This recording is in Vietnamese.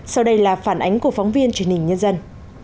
sau đây là phản ánh của phóng viên truyền hình nhân dân